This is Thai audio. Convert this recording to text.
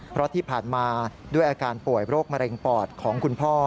เพราะที่ผ่านมาด้วยอาการป่วยโรคมะเร็งปอดของคุณพ่อ